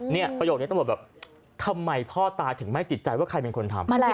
เนี่ยประโยคนี้ต้องบอกแบบทำไมพ่อตายถึงไม่ติดใจว่าใครเป็นคนทำ